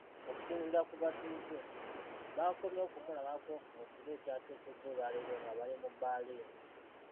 Okusinziira ku batuuze, bakomye okumulabako mu kiro ekyakeesezza olwaleero nga bali mu bbaala emu.